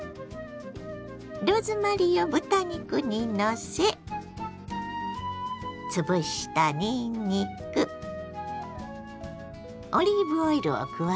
ローズマリーを豚肉にのせ潰したにんにくオリーブオイルを加えます。